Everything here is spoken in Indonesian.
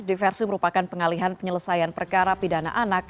diversi merupakan pengalihan penyelesaian perkara pidana anak